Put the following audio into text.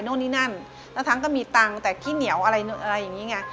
นู่นนี่นั่นแล้วทั้งก็มีตังค์แต่ขี้เหนียวอะไรอย่างนี้ไง